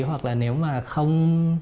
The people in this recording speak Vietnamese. hoặc là nếu mà không